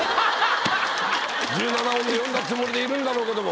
１７音で詠んだつもりでいるんだろうけども。